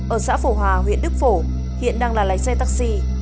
ở xã phổ hòa huyện đức phổ hiện đang là lái xe taxi